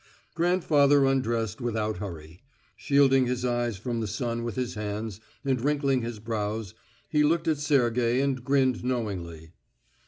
Grandfather undressed without hurry. Shielding his eyes from the sun with his hands, and wrinkling his brows, he looked at Sergey and grinned knowingly.